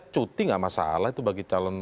cuti enggak masalah itu bagi calon